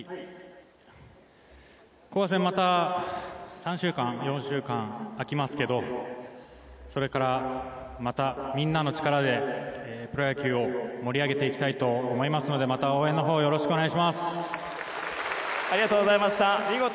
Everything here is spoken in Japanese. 後半戦また３週間、４週間空きますけどそれからまたみんなの力でプロ野球を盛り上げていきたいと思いますのでまた応援のほうよろしくお願いします！